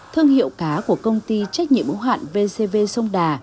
thương hiệu cá của công ty trách nhiệm ủng hạn vcv sông đà